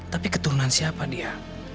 tapi keturunan siapa dia